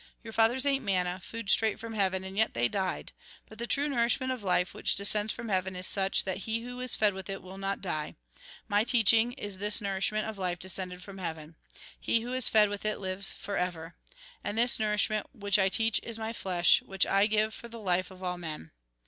Your fathers ate manna, food straight from heaven, and yet they died. But the true nourishment of life, which descends from heaven, is such, that he who is fed with it will not die. My teaching is this nourishment of life descended from heaven. He who is fed with it lives for ever. And this nourishment which I teach is my flesh, which I give for the life of all men."